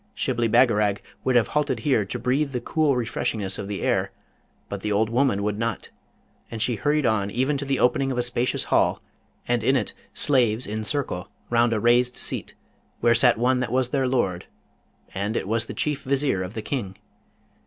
Shibli Bagarag would have halted here to breathe the cool refreshingness of the air, but the old woman would not; and she hurried on even to the opening of a spacious Hall, and in it slaves in circle round a raised seat, where sat one that was their lord, and it was the Chief Vizier of the King.